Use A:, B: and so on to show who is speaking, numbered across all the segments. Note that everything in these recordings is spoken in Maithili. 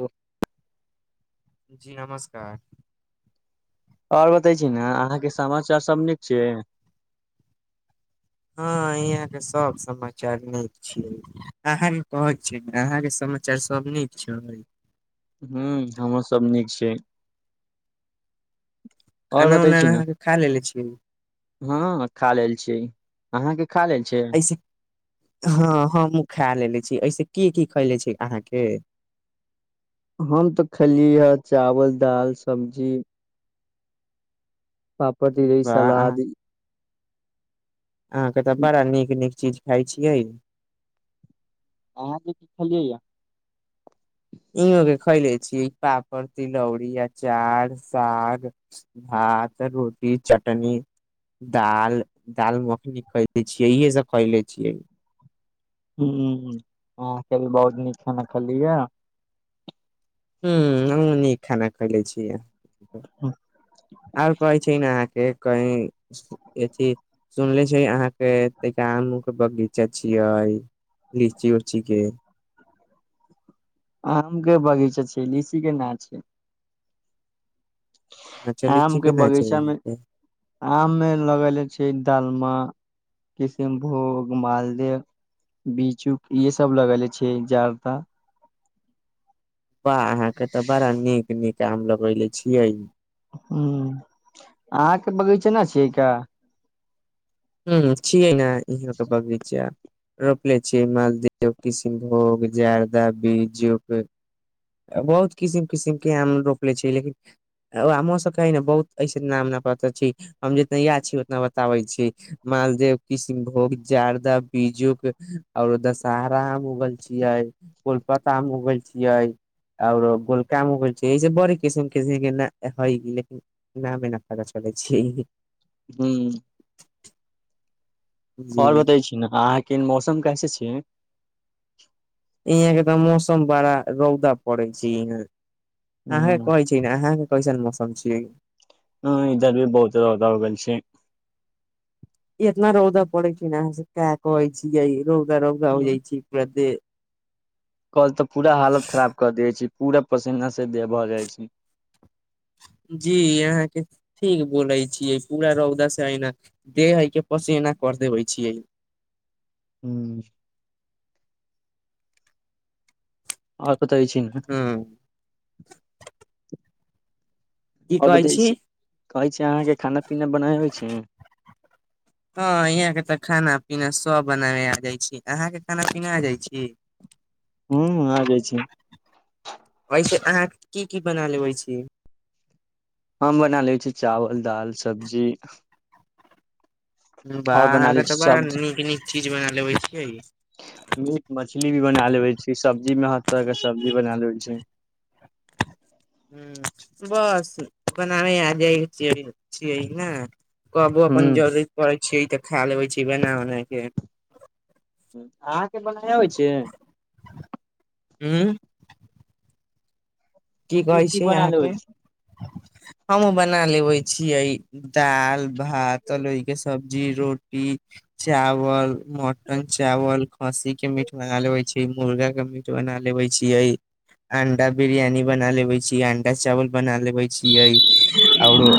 A: अ
B: जी नमस्कार
A: आओर बतै छी ने अहाँके समाचार सब नीक छि
B: हँ यहाँ के सब समाचार नीक छीय अहाँके कह छी अहाँके समाचार सब नीक छै
A: ह्म हमूँ सब नीक छीय
B: खाना उनाहाँके खा लेले छिय
A: हँ खा लेल छी अहाँ के खा लेल
B: हँ हम खा लेे छी ऐसे क की खैले छै अहाँ क
A: हम तऽ खेलिय हे चावल दाल सब्ज पापड़ दी रही
B: वाह
A: सला
B: अहाँ के तऽ बड़ा नीक नीक चीज खााय छिय
A: अहाँ जे कि छलेलियै य
B: इों के खैले छी पापड़ तिलौरी अचार सा भात रोटी चटन दाल दाल मखनी खैले छियै इहे सब खैले छ
A: हूं आहा के बहुत नीक खाना खलिय
B: ह हम नीक खाना खैले छी आओर कहै छै ने अहाँके कह अथ सुनले छै अहाँके तै के बगीचा छिय लीची उची क
A: आम के बगीचा छै लीसी के न छ
B: अच्छा
A: आम
B: लीची
A: के
B: न छै
A: बगीचा मे
B: अहाँके
A: आम मे लगले छै दालम किसिमभोग मालद बीच उक इहे सब लगेले छै जड़त
B: बाह अहाँ के तऽ बड़ा नीक नीक आम लगेले छिय
A: ह अहाँके बगीच न छियै
B: ह छियै ने इहाँ तऽ बगीच रोपले छियै मालदी किष्नभोग जारदा बीजज बहुत किसिम किसिम के आम रोपले छै लेकि ओ म सभ क ने बहुत ऐसे नाम न पात छ हम जितना यैद छी उतना बताबै छी मालदेव किष्नभोग जारदा बीजु क आओरो दशहरा आम उगल छियै कोलपता आम उगल छिय ओर गोलकाम कर ई जे बड़ किसम किम हइ लिन नहि बिना पा चलै छै
A: हूँ
B: जी
A: ओर बतै छी ने अहाँके मौसम कैसे छीै
B: यहाँ के तऽ मौसम बड़ा रौदा पड़े छै यहा अहे
A: ह
B: कहे छ अहाँके कैसन मौसम छीयै
A: ह इधर भी बहुत रह गेल छ
B: इतना रौदा पड़ै छै ना अहाँ सब का कहै छियै रौदा रौदा हो जाइ छी पुरा दे
A: कल तऽ पूरा हालत खराब कऽ दिय छै पूरा पसीना से देह भऽ जाइ छ
B: जी अहाँके ठीक बोलै छियै पूरा रौदा से ऐन देह है के पस एना कर देबे छिय
A: ह् आ कतै छै न
B: हँ की
A: अब
B: कहै
A: दै
B: छी
A: छै कहै छै अहाँके खाना पीना बनावे अवय छै
B: हँ यहाँ के तऽ खाना पीना सब बनाबे आ जाय छी अहाँ के खाना पीना आ जाइ छ
A: हू आ जाइ छ
B: ऐसे अहाँ की की बना लेबै छ
A: हम बना लै छी चावल दाल सब्ज
B: बा
A: बना ले
B: अहाँके
A: छी
B: तऽ बड़ा
A: सब
B: नीक नीक चीज बना लेबे छिय
A: मीट मछली भी बना लेबे छी सब्जी में हर तरह के सब्जी बना लेवे छ
B: ह बस अपन अमे याद आइ छिय छिय न कहबहु अपन
A: ह
B: जरूररी पड़ै छै तऽ खा लेबै छी बना उना क
A: अहाँके बनायबइ
B: हूँ की कहै छै
A: बना
B: अहाँक
A: लेबै छी
B: हम बना लेबे छियै दाल भातरहि क सब्जी रोट चावल मटन चावल खस्सी के मीट बना लेबै छै मुर्गा के मी बना लेबे छीिय अंडा बिरियान बना लेबे छीिय अंडा चावल बना लेबे छियै ओरो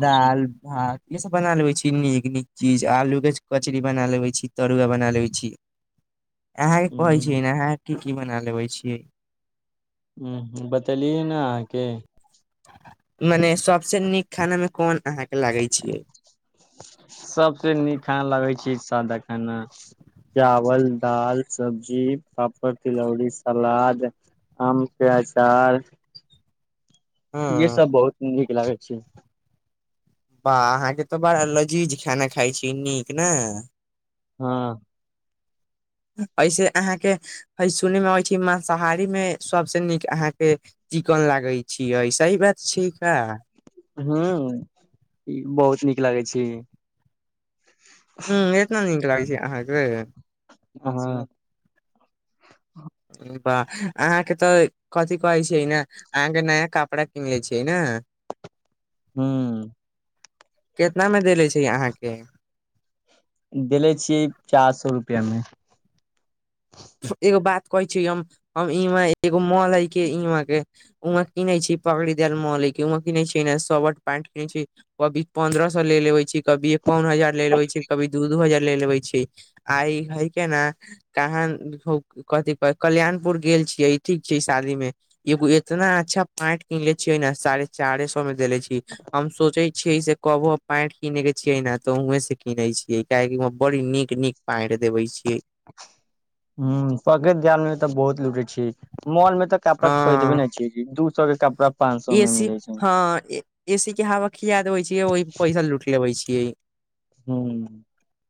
B: दालि भात ई सब बना लेवे छी नीक नीक चीज आलू के कचरीी बना लेवे छ तरुआ बना लेबे छ अहां के कहे
A: हूँ
B: छीियै ने अहाँ की की बना लेबे छीयै
A: ह बतेलियै ने अहाँक
B: मने सबसे नीक खाना मे कोन अहाँ के लागै छिय
A: सबसे नीक खाना लगै छी सादा खान चावल दाल सब्जी पापड़ तिलौरीी सला आम के अचा यिहे
B: हँ
A: सब बहुत नीक लागै छ
B: बाह अहाँके तो बड़ा लजीज खाननाा खाइ छी नीक न
A: ह
B: ऐसे अहाँके सुन मे अबै छै माँसाहारी मे सबसँ नीक अहाँक चिकन लागै छियै ऐ सही बात छैय का
A: हू ई बहुत नीक लागै छ
B: ह एतना नीक लागै छै अहाँक
A: आ
B: वाह अहाँके तऽ कथिी कहै छियै न अहाँके नया कपड़ा किन ले छियै न
A: हूँ
B: कितना मे देले छै अहाँक
A: देले छियै चार सए रुपआ मेँ
B: एगो बात कहै छै ई एगो म लै के इ क उमे किीने छी पकड़ी देल मल उ मे किीने छी शर्ट पेंट किीने छ कभी पं्रह सए ले लेवे छै कभी एकावन हजार ले लेव छै कभी दू दू हजार ले लेवे छ आइ हइ केना कहा कथिी कह कल्याणपुर गेल छियै ठीक छै शादी म एगो इतना अच्छा पांट किनले छियै ने साढ़े चारे सए में देले छ हम सोचे छीयै से कबो पैंट किनेय के छियै ने त उ से कीनै छीयै कियाकि बड़ी नीक नी गैर देबै क
A: ह पकड़ैत धान मे तऽ बहुत लूटे छै मॉन मे त कपड़ा खोदबै ने अिय दू सए के कपड़
B: ए सी ह एसी के हवा खिया देवे छी ओहि पैसा लूट लेबे छिय
A: हू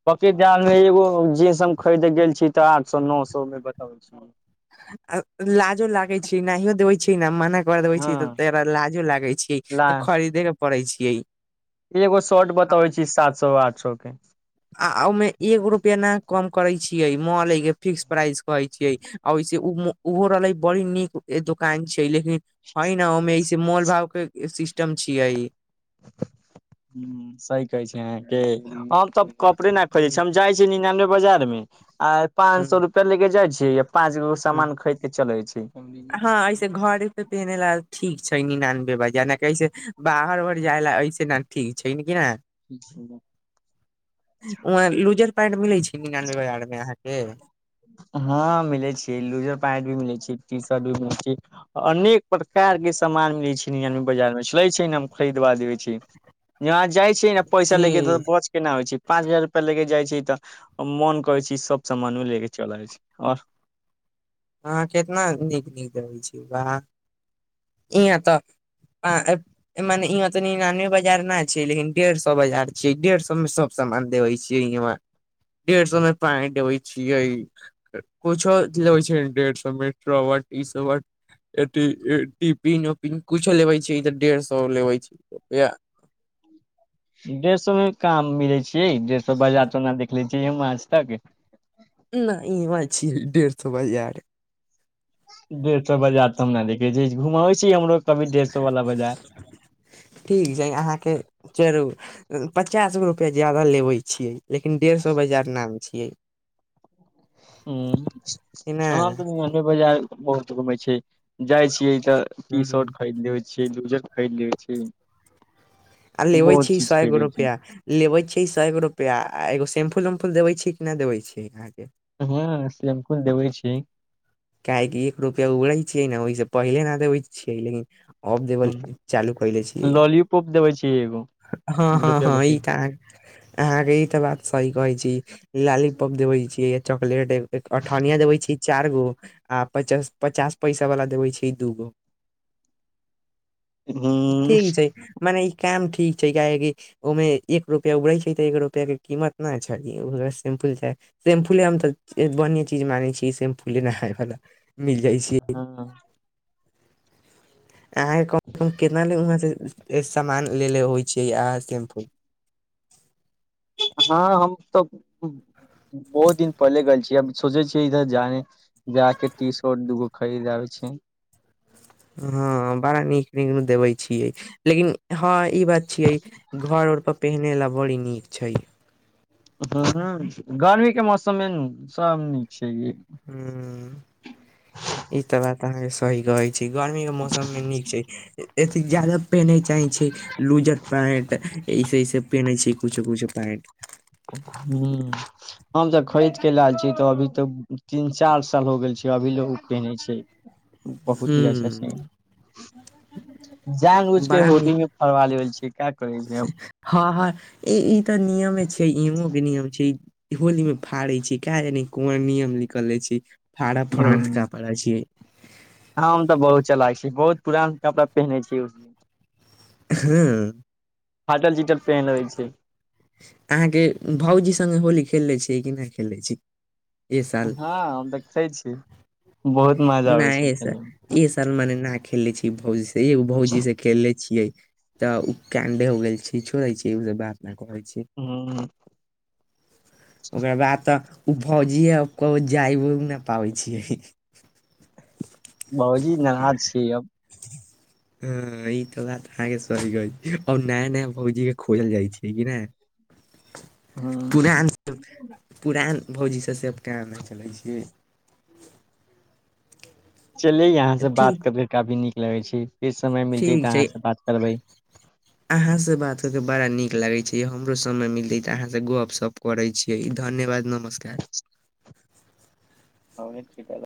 A: पकी जाल मे एगो जींस हम खरीदे गेल छी त आठ सौ नौ सौ मे बताउ छ
B: लाजो लागै छै नहिो देबै छी ने मन खदबे छी त
A: हँ
B: तरा लाजो लागे छै त
A: लाह
B: खरीदे के पड़े छ
A: एगो शर्ट बताबै छी सात सौ आठ सौ क
B: आ ओहिमे एगो रुपैआ ने कम करै छियै मॉल के फिक्स प्राइस कहै छियै आ ओहिसँ ओहो रहले बड़ी नीक ए दोकान छै लेकि हइ न ओहिमे सँ मोल भाव के सिस्टम छिय
A: ह सी कहै छै के हम तऽ कपड़े न खोजे छी हम जाइ छ निनानबे बजार मे आ पांच
B: ह
A: सौ रुपआ ले के जाय छै य पाँचग
B: ह
A: सामान खरीद के चलै छ
B: पहिनेै ला ठीक छै ने नान बेवाजा ने कसे बाहर र जाय ला ऐसे ठीक छै ने कि
A: ठ
B: व लूजर पैंट मिलै छै निनानबे आर में अहाँक
A: हँ मिलै छै लूजर पैंट भी मिलै छै ी शर्ट भी मिलै छ अनेक प्रकार के सामान मिलै छै बाजार मे चलै छै ने हम खरीदबा देबे छ जहाँ जाइ छ ने पैसा
B: जी
A: लैके तऽ केना होइ छै पाँच हजार रुपया ले के जाय छै त मोन करे छै सब सामानो ले के छ चलइ छै आओ
B: अहाँ कितना नीक नीक रहै छी वाह एहाँ तऽ आ मने इनी नाने बाजार न छै लेकिन डेढ़ सौ बाजार छै डेढ़ सौ मे सब सामान देबै छियै इहवा डेढ़ सौ मे पैंट देबैय छियै कुछो लेबे छै डढ़ सौ [unintelligible] अथि टिफिन कुछो लेवै छै तऽ डेढ़ सौ लेवै छै रुपैया
A: डेढ़ सौ मे काम मिले छियै डेढ़ सौ बाजार तऽ त हम ना देखले छियै हम आज तक
B: नहि इहवा छियै डेढ़ सौ बाजार
A: डेढ़ सौ बजार तऽ हम न देखै छी घुमबै छी हमरो कभी डेढ़ सौ वाला बाजार
B: ठीक छै अहाँके चरू पचास गो रुपआ ज्यादा लेबे छियै लेकिन डेढ़ सौ बजार नाम छियै ने
A: अहाँ तऽ उहाँ पे बाजार बहुत घूमे छै जाइ छियै तऽ टी शर्ट खरीदलेव छी लूजर खरीदलेवे छी
B: आ लेबै छी सैयगो रुपया लेबे छै सैय गो रुपया आ एगो सेैम्पूल उम्पूल देबे छियै कि न देबे छियै अहाँके
A: हँ सेम्पुल देबै छियै
B: काहेकि एक रुपैया उड़ै छियै न ओहिसँ पहिले नहि देबै छियै लेकिन ऑफ देबल चालू केलय छिये
A: लॉलीपॉप देबै छी एगो
B: हँ हँ
A: रुपआ
B: हँ ई
A: बचै
B: तऽ अहाँ के अहाँ के ई त बात सही कहे छी लालीपॉप देवै छीयै या चॉकलेट एगो अठनिया देबे छिये चार गो आ पचस पचास पैसा वाला देबे छै दू गो
A: हूं
B: ठीक छै मने ई काम ठीक छै काहेकी ओहिमे एक रुपैया उबड़ै छै तऽ एक रुपआ के कीमत न छै उहे सिम्पल चा सेम्पुले हम तऽ बढ़ऐ चीज माने छी सेम्फुले नहाय लऽ मिल जाइ छीए
A: हँ
B: अहाँके कम कम कितना ल सामान लेे ले होइ छै अहाँ सेम्पूल
A: हँ हम त बहुत दिन पहिले गेल छियै आब सोचे छियै इधर जाए जाके टी-शर्ट दूगो खरीद आबै छी
B: हँ बड़ा नीक नीक देवे छियै लेकिन हँ ई बात छिये घर उर पर पहिने लऽ बड़ी नीक छै
A: ह गर्मी के मौसम मे नू सब नीक छै
B: ह ई त बात अहाँके सही कहै छै गर्मी के मौसम मे नीक छै एते जादा पेनहे चाही छै लूजर पैंट ऐसे ऐसे पेहनै छै कुछो कुछो पैंट
A: हूँ हम त खरीद के लाइल छिये त अभी तऽ तीन चार साल हो गेल छै अभी लऽ ओ पिनहे छै
B: ह
A: बहुत ही अच्छा छै जान बुझ के
B: बड़ा
A: होली
B: नीक
A: मे फराबा लेबे छिये का करै छै
B: हँ हँ ई त नियम छै एमे के नियम छै होली में फाड़ै छी का जाने कोन नियम निकले छी फरा फरोन्त कपड़ा छियै
A: हँ हम त बहुत चलाक छी बहुत पुरान कपड़ा पेन्हे छिये
B: हूँ
A: फाटल चिटल पहिन लेबे छिये
B: अहाँके भाउजी संगे होली खेलले छिये कि नहि खेलले छी ए साल
A: हँ देखै छी बहुत मजा आबै
B: नहि
A: छै
B: ऐ साल
A: खेले मे
B: ऐह साल मने न खेलले छियै भौजी से एगो भौजी से खेलले छियै त उ कैंडे हो गेल छै छोड़े छै उ सब बात नऽ कहै छै
A: हुँ
B: ओकरा बाद तऽ उ भौजीये उ कही जाइ नहि पाबै छियै
A: भौजी नाराज छियै अब
B: ह ई तऽ बात अहाँके सही कह आर नया नया पौजी के खोजल जाइ छै कि नह
A: [inaudible]
B: पुरान पुरान भौजीसँ से केना नहि चलै छ
A: चले यहाँ से बात
B: ठीक
A: करके काफी नीक लगे छै फेर समय मिलते तऽ
B: ठीक
A: अहाँ
B: छै
A: से बात करब
B: अहाँ से बात होके बड़ा नीक लगैत छै य हमरो समय मिलतै तऽ अहाँसँ गप स करै छियै ई धन्यवाद नमस्का
A: आने छै